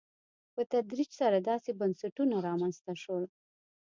په تدریج سره داسې بنسټونه رامنځته شول.